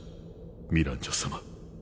ミランジョ様。